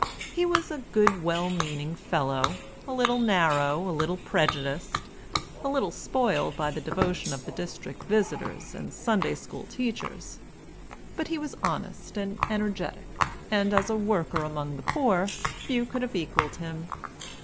He was a good well meaning fellow, a little narrow, a little prejudiced, a little spoiled by the devotion of the district visitors and Sunday School teachers; but he was honest and energetic, and as a worker among the poor few could have equalled him.